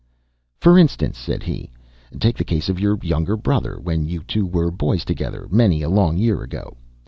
"For instance," said he, "take the case of your younger brother, when you two were boys together, many a long year ago.